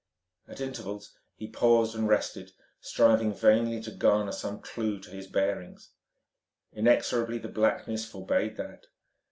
At intervals he paused and rested, striving vainly to garner some clue to his bearings. Inexorably the blackness forbade that.